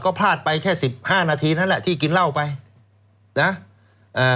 ก็พลาดไปแค่สิบห้านาทีนั่นแหละที่กินเหล้าไปนะอ่า